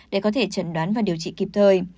để có thể trần đoán và điều trị kịp thời